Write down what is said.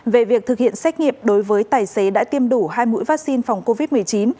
về việc thực hiện xét nghiệm đối với tài xế đã tiêm đủ hai mũi vaccine phòng covid một mươi chín